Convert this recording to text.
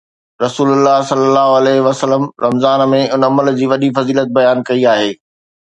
رسول الله صلي الله عليه وسلم رمضان ۾ ان عمل جي وڏي فضيلت بيان ڪئي آهي